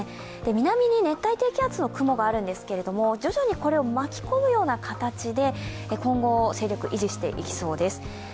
南に熱帯低気圧の雲があるんですけれども、徐々にこれを巻き込むような形で今後、勢力を維持していきそうです。